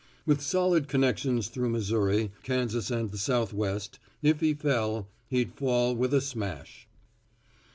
With solid connections through Missouri, Kansas and the Southwest, if he fell, he'd fall with a smash.